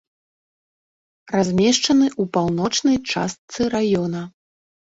Размешчаны ў паўночнай частцы раёна.